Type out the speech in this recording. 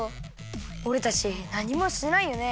おれたちなにもしてないよね。